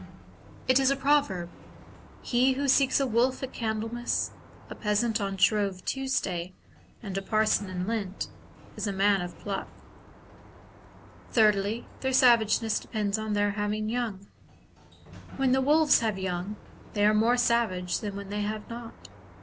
It is a proverb, * He who seeks a wolf at Candlemas, a peasant on Shrove Tuesday, and a parson in Lent, is a man of pluck.' ... Thirdly, their savageness depends on their having young. « When the wolves have young, they are more savage than when they have not.